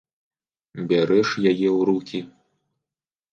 Бярэш яе ў рукі.